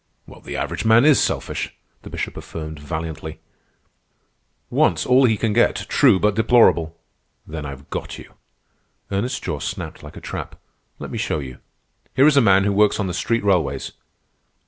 '" "The average man IS selfish," the Bishop affirmed valiantly. "Wants all he can get?" "Wants all he can get—true but deplorable." "Then I've got you." Ernest's jaw snapped like a trap. "Let me show you. Here is a man who works on the street railways."